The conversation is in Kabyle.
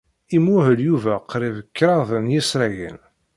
Imuhel Yuba qrib kraḍ n yisragen.